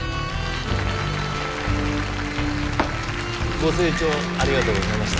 ご清聴ありがとうございました。